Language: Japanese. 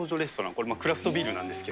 これ、クラフトビールなんですけ